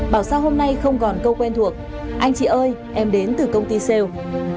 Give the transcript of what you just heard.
bảo sao hôm nay không còn câu quen thuộc anh chị ơi em đến từ công ty sale